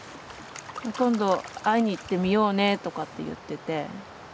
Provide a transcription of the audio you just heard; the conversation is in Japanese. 今度会いに行ってみようねとかって言ってて。